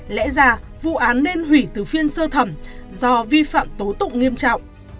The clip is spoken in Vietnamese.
lẽ ra vụ án nên hủy từ phiên sơ thẩm do vi phạm tố tụng nghiêm trọng